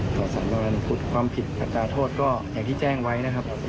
ต่อสารขุดความผิดอัตราโทษก็อย่างที่แจ้งไว้นะครับ